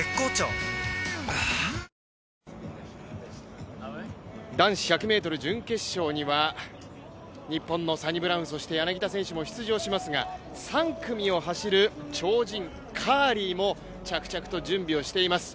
はぁ男子１００ｍ準決勝には日本のサニブラウンそして柳田選手も出場しますが３組を走る超人カーリーも着々と準備をしています。